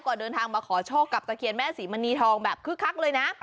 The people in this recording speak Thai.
ก็เดินทางมาขอโชคกับตะเคียนแม่ศรีมณีทองแบบคึกคักเลยนะ